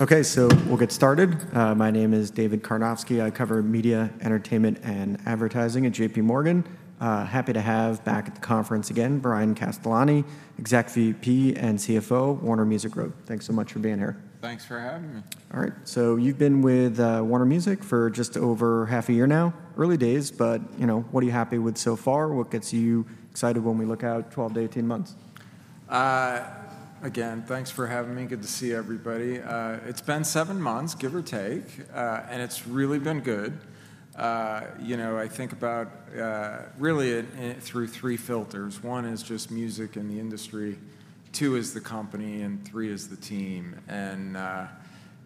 Okay, so we'll get started. My name is David Karnovsky. I cover media, entertainment, and advertising at J.P. Morgan. Happy to have back at the conference again, Bryan Castellani, Exec VP and CFO, Warner Music Group. Thanks so much for being here. Thanks for having me. All right, so you've been with Warner Music for just over half a year now. Early days, but, you know, what are you happy with so far? What gets you excited when we look out 12-18 months? Again, thanks for having me. Good to see everybody. It's been seven months, give or take, and it's really been good. You know, I think about it through three filters. One is just music and the industry, two is the company, and three is the team. And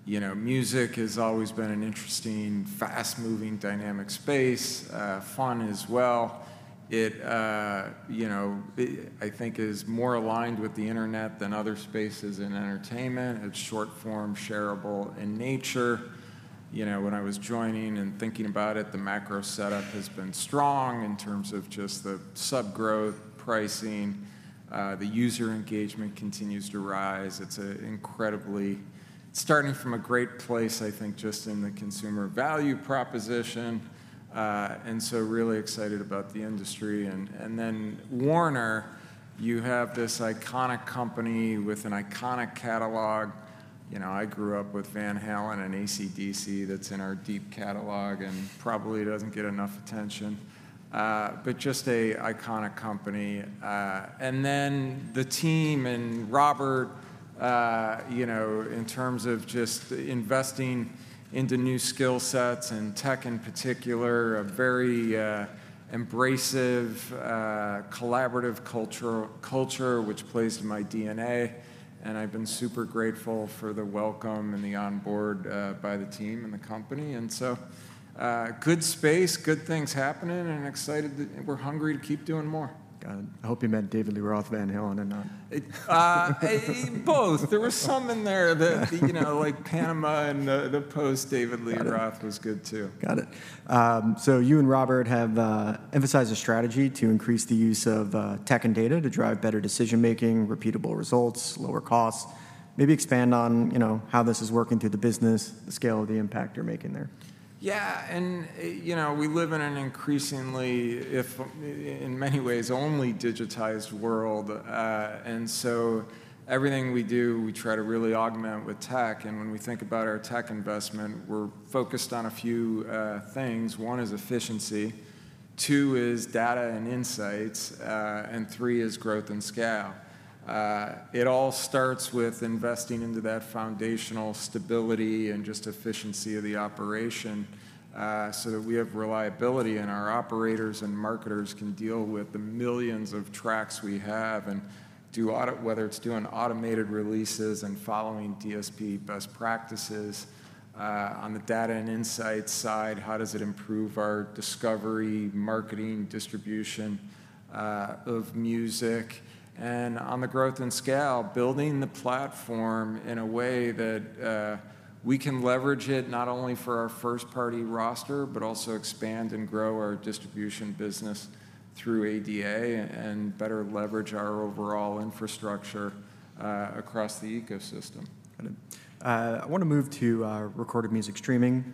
you know, music has always been an interesting, fast-moving, dynamic space, fun as well. It you know, I think is more aligned with the internet than other spaces in entertainment. It's short-form, shareable in nature. You know, when I was joining and thinking about it, the macro setup has been strong in terms of just the sub growth pricing. The user engagement continues to rise. It's incredibly... Starting from a great place, I think, just in the consumer value proposition, and so really excited about the industry. And then Warner, you have this iconic company with an iconic catalog. You know, I grew up with Van Halen and AC/DC, that's in our deep catalog and probably doesn't get enough attention, but just an iconic company. And then the team and Robert, you know, in terms of just investing into new skill sets and tech in particular, a very embracive, collaborative culture, which plays to my DNA, and I've been super grateful for the welcome and the onboard by the team and the company. And so, good space, good things happening, and excited that we're hungry to keep doing more. Got it. I hope you meant David Lee Roth Van Halen and not- Both. There were some in there that, you know, like Panama and, the post-David Lee Roth was good too. Got it. So you and Robert have emphasized a strategy to increase the use of tech and data to drive better decision-making, repeatable results, lower costs. Maybe expand on, you know, how this is working through the business, the scale of the impact you're making there. Yeah, and, you know, we live in an increasingly, if in many ways, only digitized world. And so everything we do, we try to really augment with tech, and when we think about our tech investment, we're focused on a few, things. One is efficiency, two is data and insights, and three is growth and scale. It all starts with investing into that foundational stability and just efficiency of the operation, so that we have reliability, and our operators and marketers can deal with the millions of tracks we have and do auto- whether it's doing automated releases and following DSP best practices. On the data and insight side, how does it improve our discovery, marketing, distribution, of music? On the growth and scale, building the platform in a way that we can leverage it, not only for our first-party roster, but also expand and grow our distribution business through ADA and better leverage our overall infrastructure across the ecosystem. Got it. I wanna move to recorded music streaming.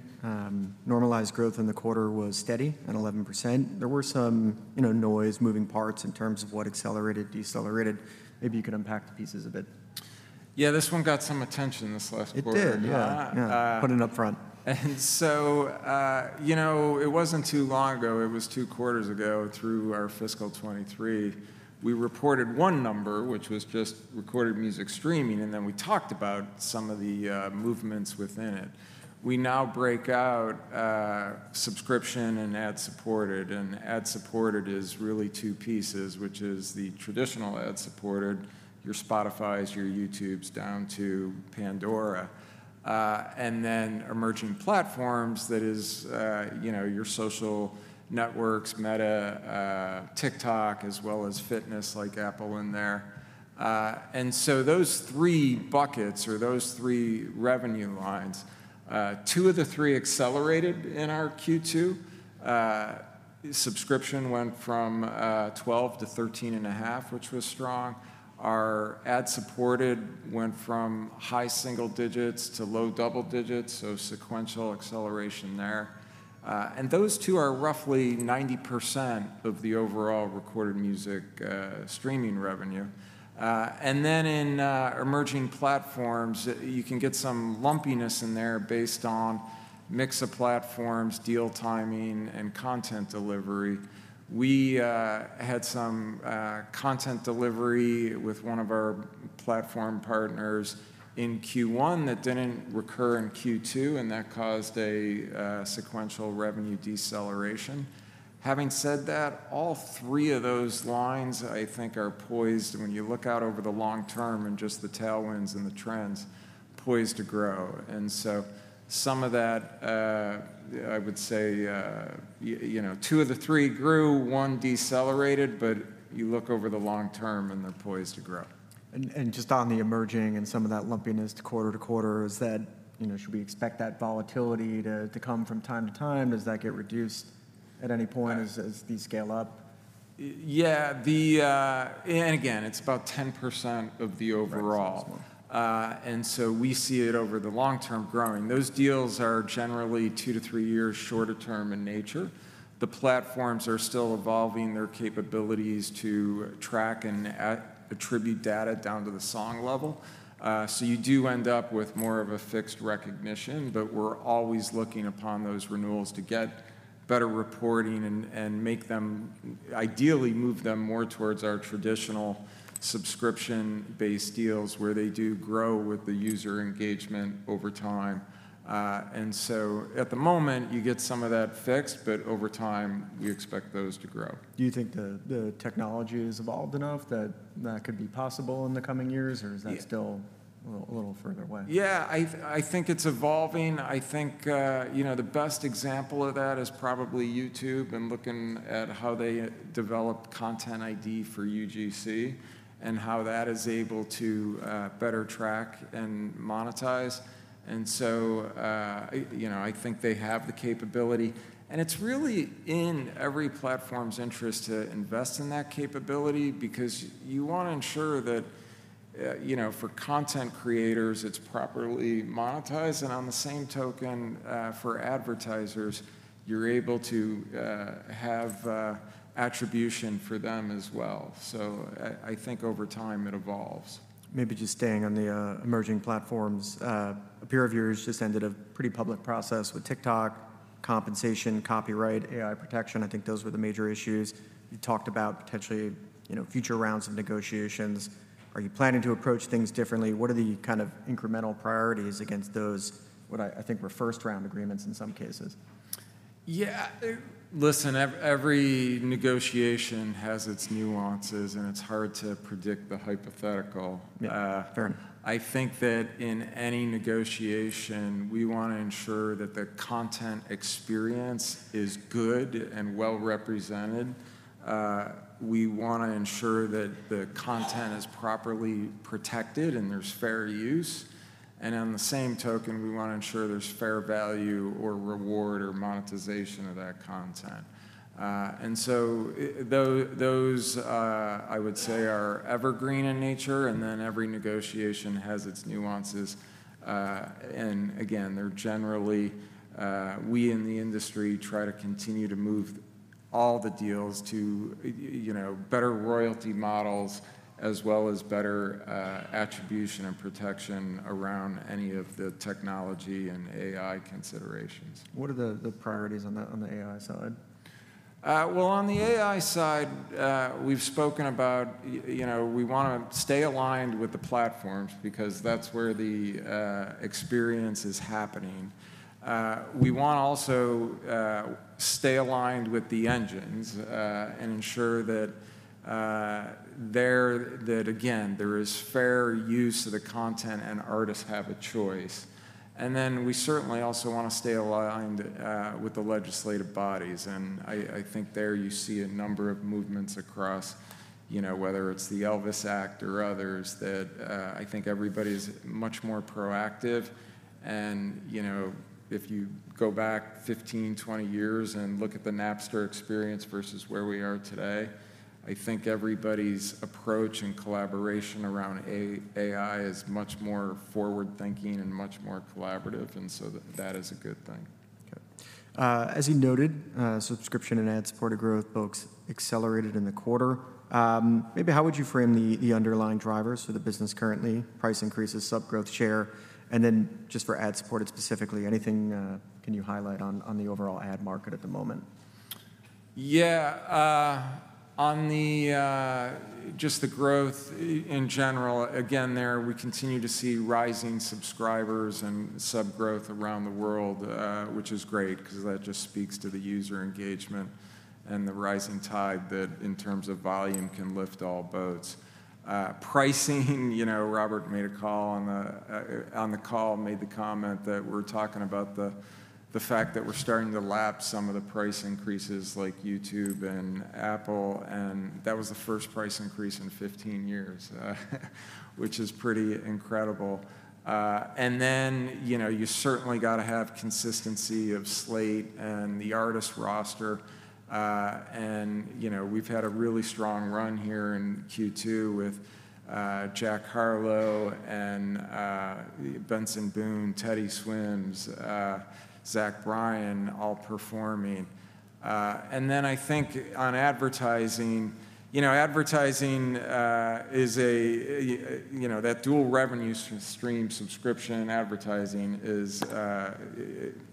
Normalized growth in the quarter was steady at 11%. There were some, you know, noise, moving parts in terms of what accelerated, decelerated. Maybe you could unpack the pieces a bit. Yeah, this one got some attention, this last quarter. It did. Yeah, yeah. Uh- Put it up front. You know, it wasn't too long ago, it was two quarters ago, through our fiscal 2023, we reported one number, which was just recorded music streaming, and then we talked about some of the movements within it. We now break out subscription and ad-supported, and ad-supported is really two pieces, which is the traditional ad-supported, your Spotifys, your YouTubes, down to Pandora. And then emerging platforms, that is, you know, your social networks, Meta, TikTok, as well as fitness, like Apple in there. And so those three buckets or those three revenue lines, two of the three accelerated in our Q2. Subscription went from 12-13.5, which was strong. Our ad-supported went from high single digits to low double digits, so sequential acceleration there. And those two are roughly 90% of the overall recorded music streaming revenue. And then in emerging platforms, you can get some lumpiness in there based on mix of platforms, deal timing, and content delivery. We had some content delivery with one of our platform partners in Q1 that didn't recur in Q2, and that caused a sequential revenue deceleration. Having said that, all three of those lines, I think, are poised, when you look out over the long term and just the tailwinds and the trends, poised to grow. And so some of that, I would say, you know, two of the three grew, one decelerated, but you look over the long term, and they're poised to grow. And just on the emerging and some of that lumpiness quarter to quarter, is that... You know, should we expect that volatility to come from time to time? Does that get reduced at any point as these scale up?... Yeah, the, and again, it's about 10% of the overall. Right. And so we see it over the long term growing. Those deals are generally 2-3 years shorter term in nature. The platforms are still evolving their capabilities to track and attribute data down to the song level. So you do end up with more of a fixed recognition, but we're always looking upon those renewals to get better reporting and, and make them, ideally, move them more towards our traditional subscription-based deals, where they do grow with the user engagement over time. And so at the moment, you get some of that fixed, but over time, we expect those to grow. Do you think the technology has evolved enough that that could be possible in the coming years? Yeah. or is that still a little further away? Yeah, I think it's evolving. I think, you know, the best example of that is probably YouTube and looking at how they developed Content ID for UGC and how that is able to better track and monetize. And so, you know, I think they have the capability, and it's really in every platform's interest to invest in that capability because you want to ensure that, you know, for content creators, it's properly monetized, and on the same token, for advertisers, you're able to have attribution for them as well. So I think over time, it evolves. Maybe just staying on the, emerging platforms. A peer of yours just ended a pretty public process with TikTok, compensation, copyright, AI protection. I think those were the major issues. You talked about potentially, you know, future rounds of negotiations. Are you planning to approach things differently? What are the kind of incremental priorities against those, what I, I think were first-round agreements in some cases? Yeah. Listen, every negotiation has its nuances, and it's hard to predict the hypothetical. Yeah, fair. I think that in any negotiation, we want to ensure that the content experience is good and well represented. We want to ensure that the content is properly protected and there's fair use, and on the same token, we want to ensure there's fair value or reward or monetization of that content. And so, those, I would say, are evergreen in nature, and then every negotiation has its nuances. And again, they're generally, we in the industry try to continue to move all the deals to, you know, better royalty models, as well as better, attribution and protection around any of the technology and AI considerations. What are the priorities on the AI side? Well, on the AI side, we've spoken about you know, we want to stay aligned with the platforms because that's where the experience is happening. We want to also stay aligned with the engines and ensure that there is fair use of the content and artists have a choice. And then we certainly also want to stay aligned with the legislative bodies, and I think there you see a number of movements across, you know, whether it's the ELVIS Act or others, that I think everybody's much more proactive. And, you know, if you go back 15, 20 years and look at the Napster experience versus where we are today, I think everybody's approach and collaboration around AI is much more forward-thinking and much more collaborative, and so that is a good thing. Okay. As you noted, subscription and ad-supported growth both accelerated in the quarter. Maybe how would you frame the, the underlying drivers for the business currently, price increases, sub growth, share? And then just for ad-supported, specifically, anything, can you highlight on, on the overall ad market at the moment? Yeah, on just the growth in general, again, we continue to see rising subscribers and sub growth around the world, which is great because that just speaks to the user engagement and the rising tide that, in terms of volume, can lift all boats. Pricing, you know, Robert made a call on the call, made the comment that we're talking about the fact that we're starting to lap some of the price increases like YouTube and Apple, and that was the first price increase in 15 years, which is pretty incredible. And then, you know, you certainly got to have consistency of slate and the artist roster. And, you know, we've had a really strong run here in Q2 with Jack Harlow and Benson Boone, Teddy Swims, Zach Bryan, all performing. And then I think on advertising, you know, advertising is a, a, you know, that dual revenue stream, subscription and advertising is,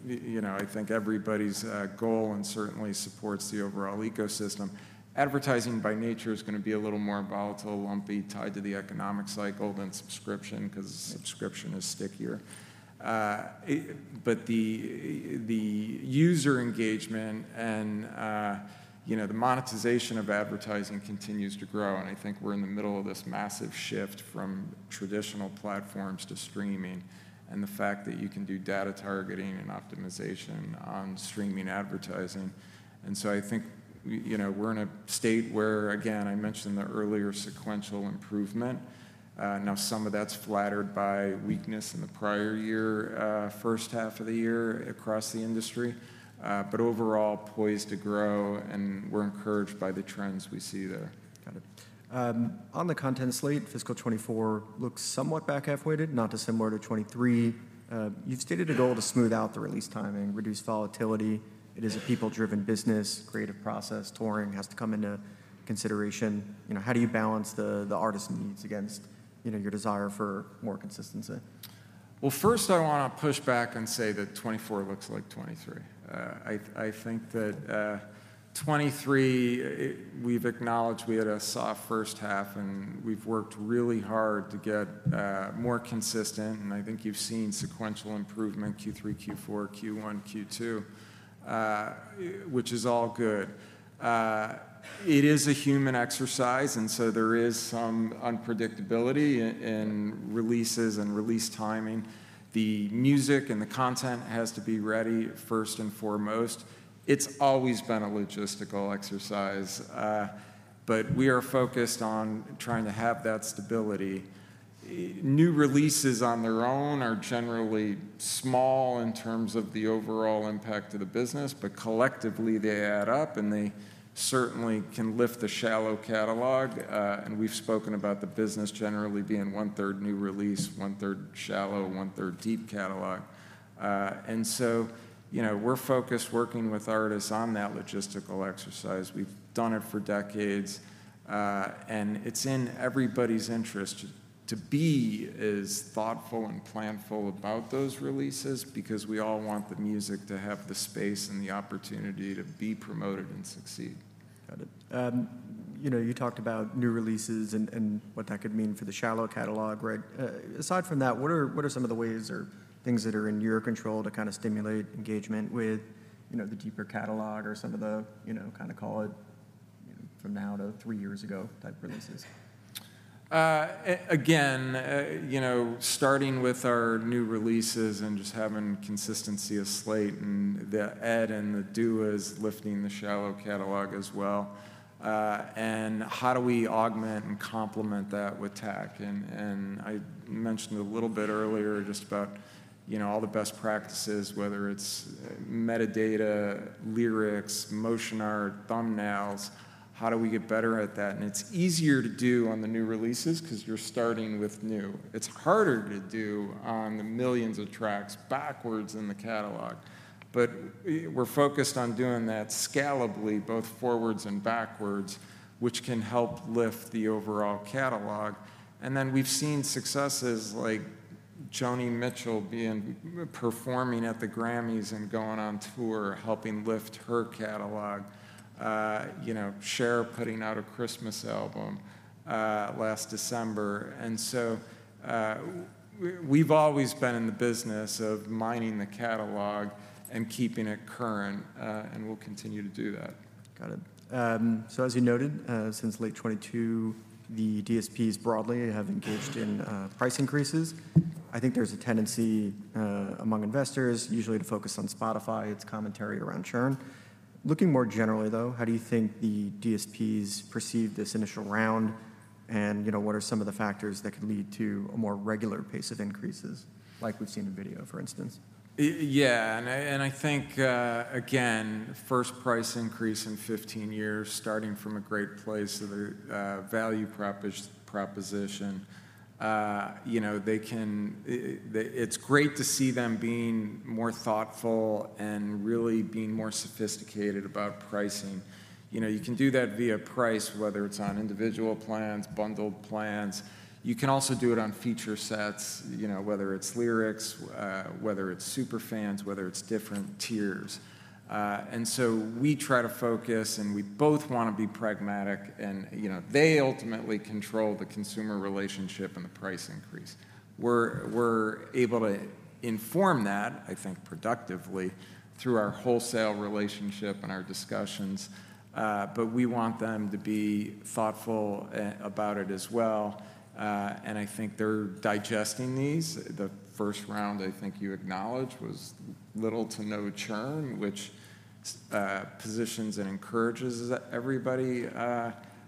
you know, I think everybody's goal and certainly supports the overall ecosystem. Advertising, by nature, is gonna be a little more volatile, lumpy, tied to the economic cycle than subscription, because subscription is stickier. But the user engagement and, you know, the monetization of advertising continues to grow, and I think we're in the middle of this massive shift from traditional platforms to streaming and the fact that you can do data targeting and optimization on streaming advertising. So I think, you know, we're in a state where, again, I mentioned the earlier sequential improvement. Now, some of that's flattered by weakness in the prior year, first half of the year across the industry, but overall, poised to grow, and we're encouraged by the trends we see there.... On the content slate, fiscal 2024 looks somewhat back-half-weighted, not dissimilar to 2023. You've stated a goal to smooth out the release timing, reduce volatility. It is a people-driven business, creative process. Touring has to come into consideration. You know, how do you balance the artist's needs against, you know, your desire for more consistency? Well, first, I wanna push back and say that 2024 looks like 2023. I think that 2023, we've acknowledged we had a soft first half, and we've worked really hard to get more consistent, and I think you've seen sequential improvement, Q3, Q4, Q1, Q2, which is all good. It is a human exercise, and so there is some unpredictability in releases and release timing. The music and the content has to be ready first and foremost. It's always been a logistical exercise, but we are focused on trying to have that stability. New releases on their own are generally small in terms of the overall impact to the business, but collectively, they add up, and they certainly can lift the shallow catalog. And we've spoken about the business generally being one-third new release, one-third shallow, one-third deep catalog. and so, you know, we're focused working with artists on that logistical exercise. We've done it for decades, and it's in everybody's interest to be as thoughtful and planful about those releases because we all want the music to have the space and the opportunity to be promoted and succeed. Got it. You know, you talked about new releases and what that could mean for the shallow catalog, right? Aside from that, what are some of the ways or things that are in your control to kinda stimulate engagement with, you know, the deeper catalog or some of the, you know, kinda call it, you know, from now to three years ago, type releases? Again, you know, starting with our new releases and just having consistency of slate and the add and the do is lifting the shallow catalog as well. And how do we augment and complement that with tech? And I mentioned a little bit earlier just about, you know, all the best practices, whether it's metadata, lyrics, motion art, thumbnails, how do we get better at that? And it's easier to do on the new releases 'cause you're starting with new. It's harder to do on the millions of tracks backwards in the catalog, but we're focused on doing that scalably, both forwards and backwards, which can help lift the overall catalog. And then, we've seen successes like Joni Mitchell performing at the Grammys and going on tour, helping lift her catalog, you know, Cher putting out a Christmas album last December. And so, we've always been in the business of mining the catalog and keeping it current, and we'll continue to do that. Got it. So as you noted, since late 2022, the DSPs broadly have engaged in price increases. I think there's a tendency among investors usually to focus on Spotify, its commentary around churn. Looking more generally, though, how do you think the DSPs perceive this initial round? And, you know, what are some of the factors that could lead to a more regular pace of increases, like we've seen in video, for instance? Yeah, and I think, again, first price increase in 15 years, starting from a great place of the value proposition. You know, they can... it's great to see them being more thoughtful and really being more sophisticated about pricing. You know, you can do that via price, whether it's on individual plans, bundled plans. You can also do it on feature sets, you know, whether it's lyrics, whether it's super fans, whether it's different tiers. And so we try to focus, and we both wanna be pragmatic, and, you know, they ultimately control the consumer relationship and the price increase. We're able to inform that, I think, productively through our wholesale relationship and our discussions, but we want them to be thoughtful about it as well, and I think they're digesting these. The first round, I think you acknowledge, was little to no churn, which positions and encourages everybody,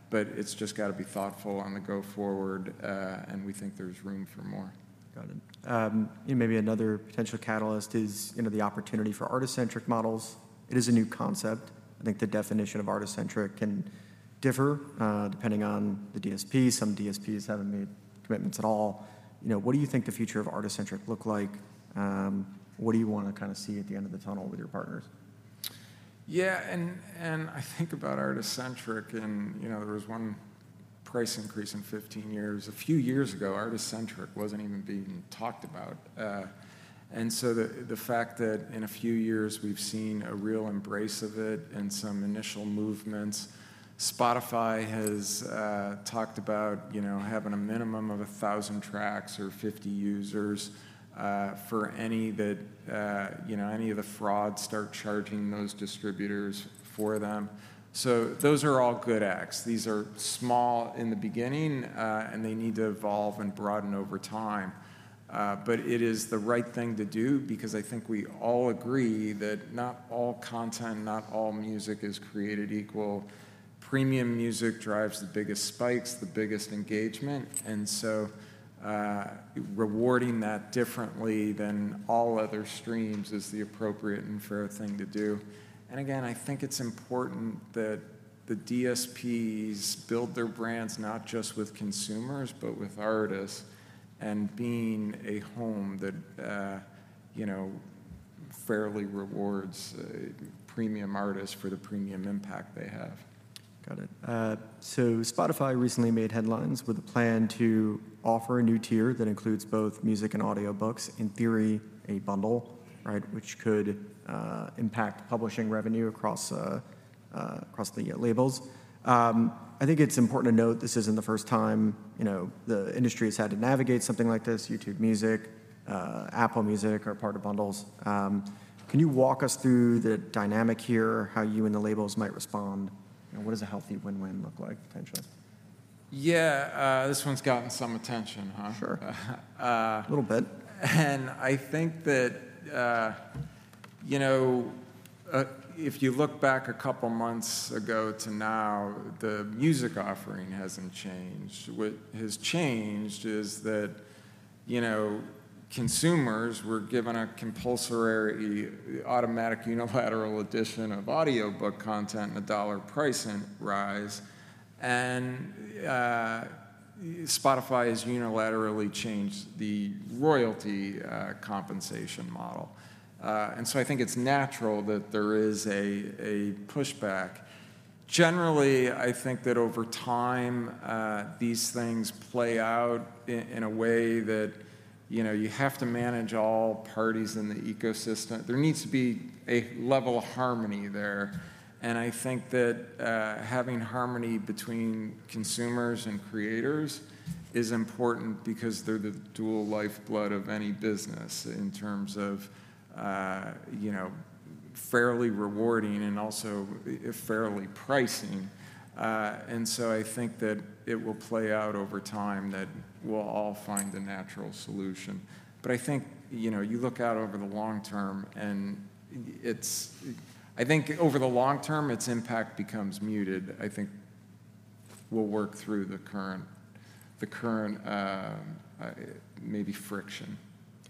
but it's just gotta be thoughtful on the go-forward, and we think there's room for more. Got it. Maybe another potential catalyst is, you know, the opportunity for Artist-Centric models. It is a new concept. I think the definition of Artist-Centric can differ, depending on the DSP. Some DSPs haven't made commitments at all. You know, what do you think the future of Artist-Centric look like? What do you wanna kinda see at the end of the tunnel with your partners? Yeah, and I think about artist-centric, and, you know, there was one price increase in 15 years. A few years ago, artist-centric wasn't even being talked about, and so the fact that in a few years we've seen a real embrace of it and some initial movements... Spotify has talked about, you know, having a minimum of 1,000 tracks or 50 users for any that, you know, any of the frauds start charging those distributors for them. So those are all good acts. These are small in the beginning, and they need to evolve and broaden over time. But it is the right thing to do because I think we all agree that not all content, not all music, is created equal. Premium music drives the biggest spikes, the biggest engagement, and so, rewarding that differently than all other streams is the appropriate and fair thing to do. And again, I think it's important that the DSPs build their brands not just with consumers, but with artists, and being a home that, you know, fairly rewards premium artists for the premium impact they have. Got it. So Spotify recently made headlines with a plan to offer a new tier that includes both music and audiobooks. In theory, a bundle, right? Which could impact publishing revenue across the labels. I think it's important to note this isn't the first time, you know, the industry has had to navigate something like this. YouTube Music, Apple Music are part of bundles. Can you walk us through the dynamic here, how you and the labels might respond? You know, what does a healthy win-win look like potentially? Yeah, this one's gotten some attention, huh? Sure. Uh- A little bit. I think that, you know, if you look back a couple months ago to now, the music offering hasn't changed. What has changed is that, you know, consumers were given a compulsory, automatic, unilateral addition of audiobook content and a $1 price rise, and Spotify has unilaterally changed the royalty compensation model. So I think it's natural that there is a pushback. Generally, I think that over time, these things play out in a way that, you know, you have to manage all parties in the ecosystem. There needs to be a level of harmony there, and I think that having harmony between consumers and creators is important because they're the dual lifeblood of any business in terms of, you know, fairly rewarding and also fairly pricing. And so I think that it will play out over time, that we'll all find a natural solution. But I think, you know, you look out over the long term, and it's... I think over the long term, its impact becomes muted. I think we'll work through the current, the current, maybe friction.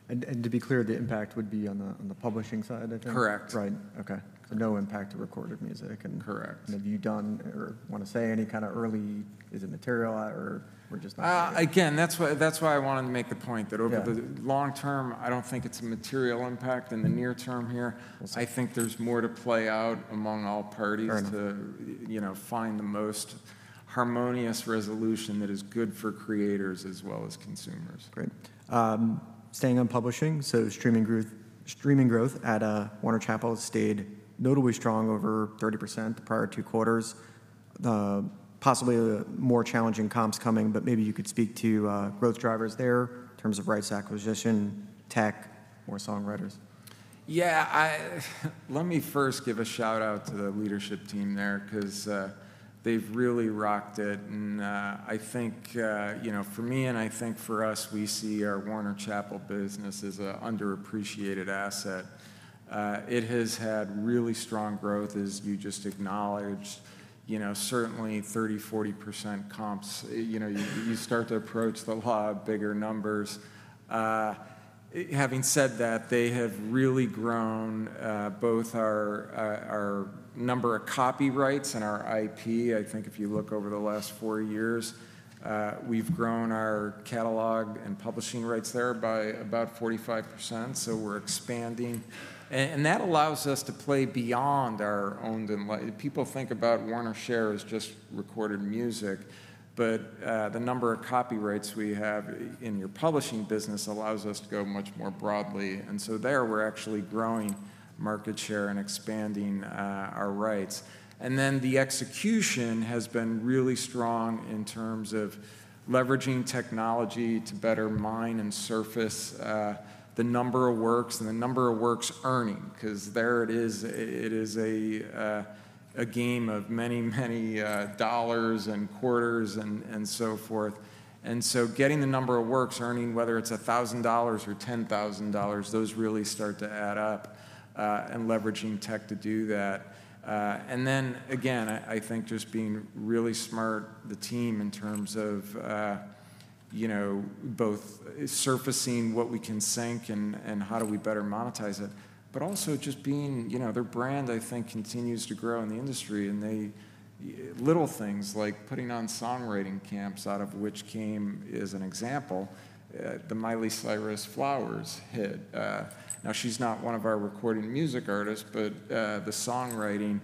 And to be clear, the impact would be on the publishing side, I think? Correct. Right. Okay. Yeah. So no impact to Recorded Music and- Correct. Have you done or wanna say any kinda early...? Is it material or we're just not- Again, that's why, that's why I wanted to make the point. Yeah... that over the long term, I don't think it's a material impact. In the near term here- Awesome... I think there's more to play out among all parties- Fair enough... to, you know, find the most harmonious resolution that is good for creators as well as consumers. Great. Staying on publishing, so streaming growth, streaming growth at Warner Chappell has stayed notably strong, over 30% the prior two quarters. Possibly more challenging comps coming, but maybe you could speak to growth drivers there in terms of rights acquisition, tech, more songwriters. Yeah, let me first give a shout-out to the leadership team there 'cause, they've really rocked it, and, I think, you know, for me, and I think for us, we see our Warner Chappell business as a underappreciated asset. It has had really strong growth, as you just acknowledged. You know, certainly 30%-40% comps, you know, you start to approach the law of bigger numbers. Having said that, they have really grown, both our number of copyrights and our IP. I think if you look over the last four years, we've grown our catalog and publishing rights there by about 45%, so we're expanding. And that allows us to play beyond our own domain. People think about Warner Music as just recorded music, but the number of copyrights we have in your publishing business allows us to go much more broadly. And so there, we're actually growing market share and expanding our rights. And then the execution has been really strong in terms of leveraging technology to better mine and surface the number of works and the number of works earning, 'cause there it is, it is a game of many, many dollars and quarters and so forth. And so getting the number of works earning, whether it's $1,000 or $10,000, those really start to add up, and leveraging tech to do that. and then again, I think just being really smart, the team, in terms of, you know, both surfacing what we can sync and how do we better monetize it, but also just being... You know, their brand, I think, continues to grow in the industry, and they little things like putting on songwriting camps, out of which came, as an example, the Miley Cyrus "Flowers" hit. Now, she's not one of our recorded music artists, but the songwriting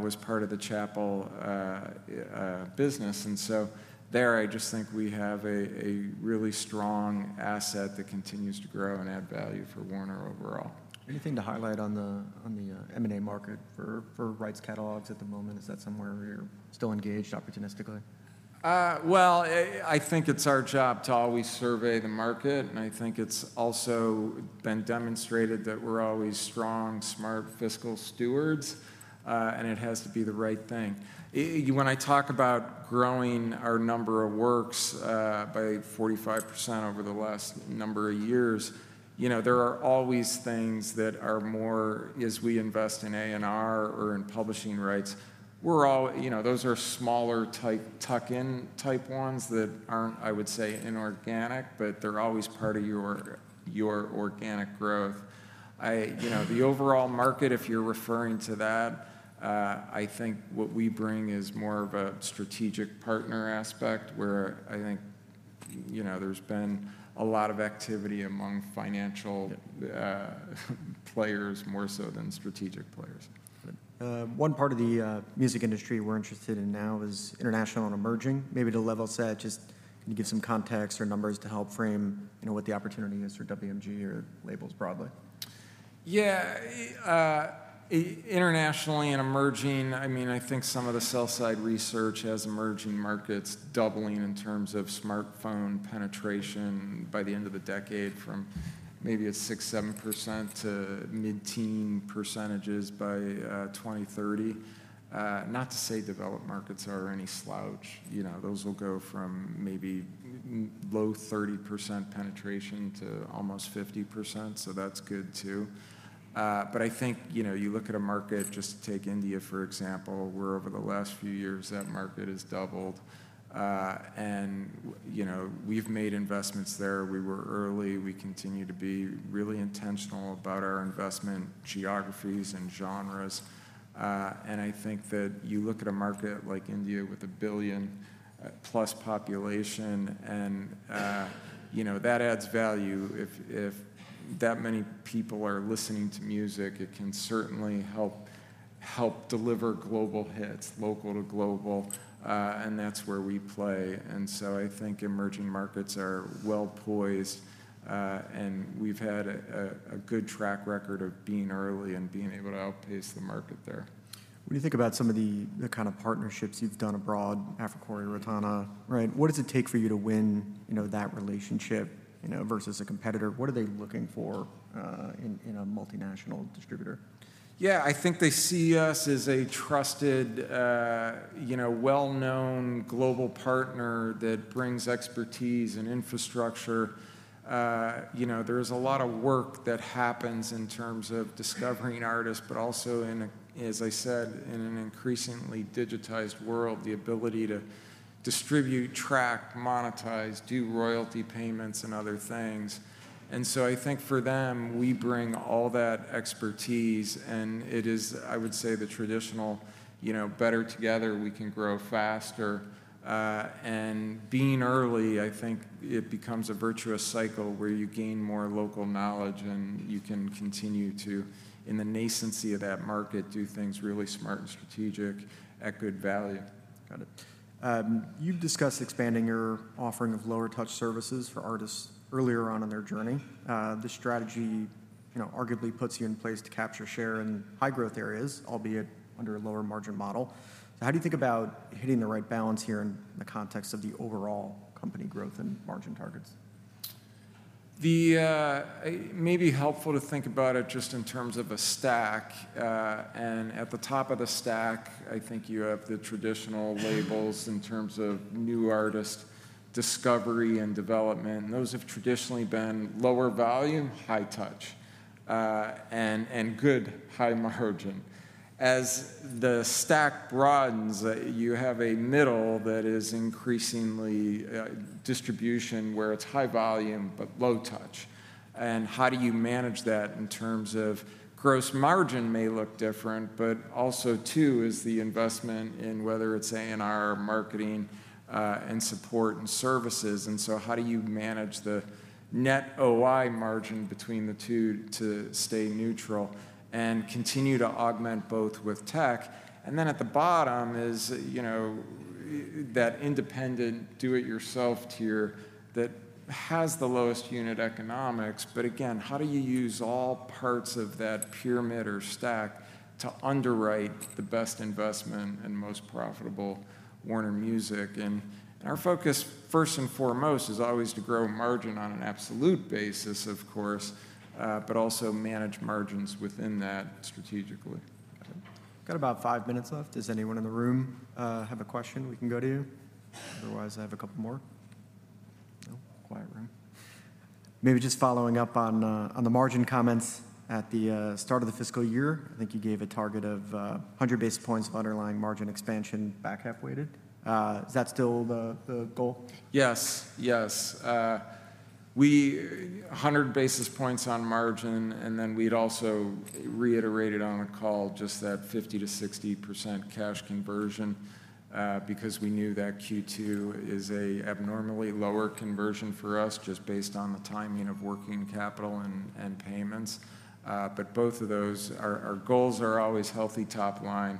was part of the Chappell business. And so there, I just think we have a really strong asset that continues to grow and add value for Warner overall. Anything to highlight on the M&A market for rights catalogs at the moment? Is that somewhere where you're still engaged opportunistically?... Well, I think it's our job to always survey the market, and I think it's also been demonstrated that we're always strong, smart, fiscal stewards. It has to be the right thing. When I talk about growing our number of works by 45% over the last number of years, you know, there are always things that are more as we invest in A&R or in publishing rights. You know, those are smaller type, tuck-in type ones that aren't, I would say, inorganic, but they're always part of your organic growth. You know, the overall market, if you're referring to that, I think what we bring is more of a strategic partner aspect, where I think, you know, there's been a lot of activity among financial players, more so than strategic players. One part of the music industry we're interested in now is international and emerging. Maybe to level set, just can you give some context or numbers to help frame, you know, what the opportunity is for WMG or labels broadly? Yeah, internationally and emerging, I mean, I think some of the sell-side research has emerging markets doubling in terms of smartphone penetration by the end of the decade, from maybe 6-7% to mid-teens % by 2030. Not to say developed markets are any slouch. You know, those will go from maybe low 30% penetration to almost 50%, so that's good, too. But I think, you know, you look at a market, just take India, for example, where over the last few years, that market has doubled. And, you know, we've made investments there. We were early. We continue to be really intentional about our investment geographies and genres. And I think that you look at a market like India with a billion-plus population, and, you know, that adds value. If that many people are listening to music, it can certainly help deliver global hits, local to global, and that's where we play. So I think emerging markets are well-poised, and we've had a good track record of being early and being able to outpace the market there. When you think about some of the kind of partnerships you've done abroad, Africori, Rotana, right? What does it take for you to win, you know, that relationship, you know, versus a competitor? What are they looking for in a multinational distributor? Yeah, I think they see us as a trusted, you know, well-known global partner that brings expertise and infrastructure. You know, there is a lot of work that happens in terms of discovering artists, but also As I said, in an increasingly digitized world, the ability to distribute, track, monetize, do royalty payments, and other things. And so I think for them, we bring all that expertise, and it is, I would say, the traditional, you know, better together, we can grow faster. And being early, I think it becomes a virtuous cycle, where you gain more local knowledge, and you can continue to, in the nascency of that market, do things really smart and strategic at good value. Got it. You've discussed expanding your offering of lower-touch services for artists earlier on in their journey. This strategy, you know, arguably puts you in place to capture share in high-growth areas, albeit under a lower margin model. So how do you think about hitting the right balance here in the context of the overall company growth and margin targets? It may be helpful to think about it just in terms of a stack. And at the top of the stack, I think you have the traditional labels in terms of new artist discovery and development, and those have traditionally been lower volume, high touch, and good high margin. As the stack broadens, you have a middle that is increasingly distribution, where it's high volume but low touch, and how do you manage that in terms of gross margin may look different, but also, too, is the investment in whether it's A&R, marketing, and support and services. And so how do you manage the net OI margin between the two to stay neutral and continue to augment both with tech? And then at the bottom is, you know, that independent, do-it-yourself tier that has the lowest unit economics. But again, how do you use all parts of that pyramid or stack to underwrite the best investment and most profitable Warner Music? And our focus, first and foremost, is always to grow margin on an absolute basis, of course, but also manage margins within that strategically. Got it. Got about five minutes left. Does anyone in the room have a question we can go to? Otherwise, I have a couple more. No? Quiet room. Maybe just following up on the margin comments. At the start of the fiscal year, I think you gave a target of 100 basis points of underlying margin expansion, back half weighted. Is that still the goal? Yes, yes. One hundred basis points on margin, and then we'd also reiterated on a call just that 50%-60% cash conversion, because we knew that Q2 is a abnormally lower conversion for us, just based on the timing of working capital and payments. But both of those, our goals are always healthy top line,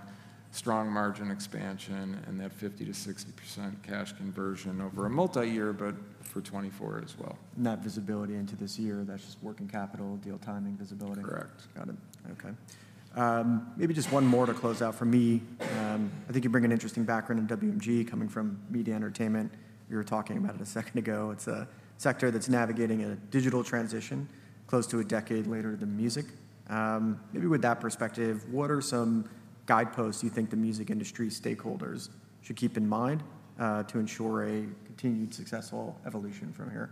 strong margin expansion, and that 50%-60% cash conversion over a multi-year, but for 2024 as well. No visibility into this year. That's just working capital, deal timing, visibility? Correct. Got it. Okay. Maybe just one more to close out for me. I think you bring an interesting background in WMG coming from media and entertainment. You were talking about it a second ago. It's a sector that's navigating a digital transition close to a decade later than music. Maybe with that perspective, what are some guideposts you think the music industry stakeholders should keep in mind, to ensure a continued successful evolution from here?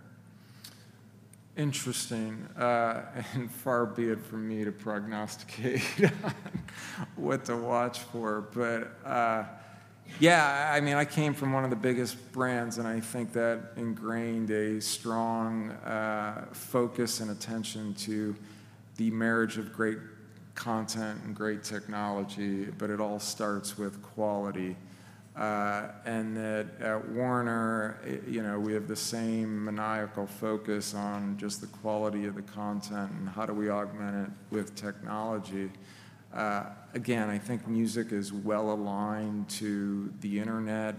Interesting. And far be it for me to prognosticate, what to watch for. But, yeah, I mean, I came from one of the biggest brands, and I think that ingrained a strong focus and attention to the marriage of great content and great technology, but it all starts with quality. And that at Warner, you know, we have the same maniacal focus on just the quality of the content and how do we augment it with technology. Again, I think music is well aligned to the internet,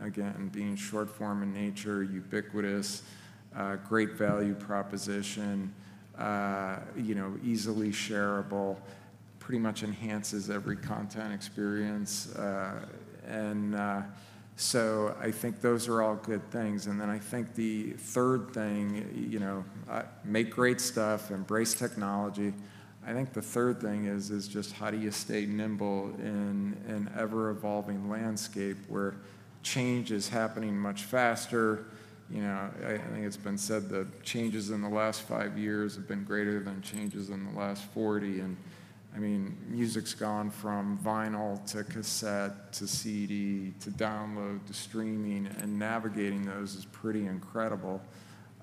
again, being short form in nature, ubiquitous, great value proposition, you know, easily shareable, pretty much enhances every content experience. And, so I think those are all good things. And then I think the third thing, you know, make great stuff, embrace technology. I think the third thing is just how do you stay nimble in an ever-evolving landscape where change is happening much faster? You know, I think it's been said that changes in the last five years have been greater than changes in the last forty, and I mean, music's gone from vinyl to cassette, to CD, to download, to streaming, and navigating those is pretty incredible.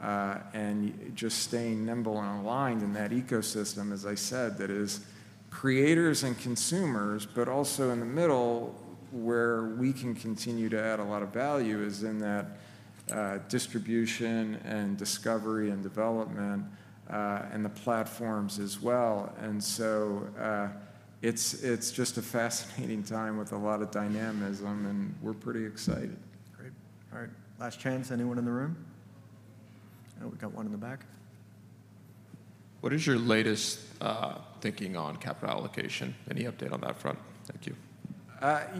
And just staying nimble and aligned in that ecosystem, as I said, that is creators and consumers, but also in the middle, where we can continue to add a lot of value, is in that distribution and discovery and development and the platforms as well. And so, it's just a fascinating time with a lot of dynamism, and we're pretty excited. Great. All right, last chance. Anyone in the room? Oh, we've got one in the back. What is your latest thinking on capital allocation? Any update on that front? Thank you.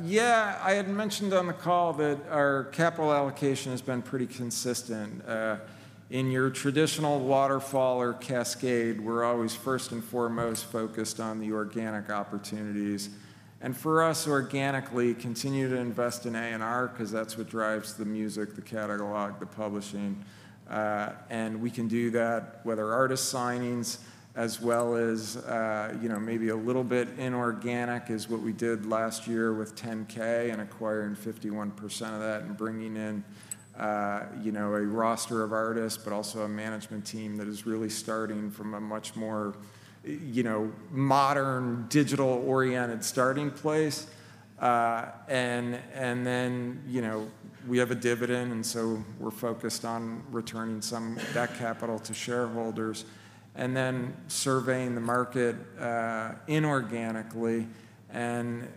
Yeah, I had mentioned on the call that our capital allocation has been pretty consistent. In your traditional waterfall or cascade, we're always first and foremost focused on the organic opportunities, and for us, organically, continue to invest in A&R 'cause that's what drives the music, the catalog, the publishing. And we can do that, whether artist signings as well as, you know, maybe a little bit inorganic, is what we did last year with 10K and acquiring 51% of that and bringing in, you know, a roster of artists, but also a management team that is really starting from a much more, you know, modern, digital-oriented starting place. And then, you know, we have a dividend, and so we're focused on returning some of that capital to shareholders and then surveying the market inorganically. And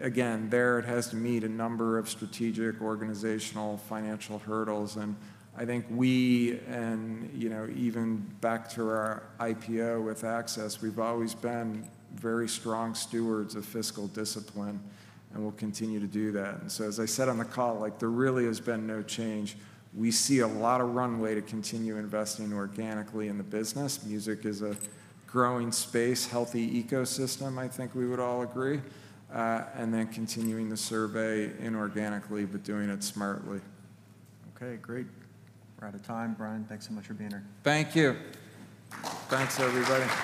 again, there it has to meet a number of strategic, organizational, financial hurdles, and I think we, you know, even back to our IPO with Access, we've always been very strong stewards of fiscal discipline, and we'll continue to do that. And so, as I said on the call, like, there really has been no change. We see a lot of runway to continue investing organically in the business. Music is a growing space, healthy ecosystem, I think we would all agree, and then continuing the survey inorganically, but doing it smartly. Okay, great. We're out of time. Bryan, thanks so much for being here. Thank you. Thanks, everybody.